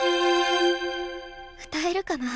歌えるかな。